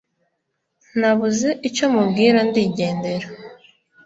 nabuze icyo mubwira ndigendera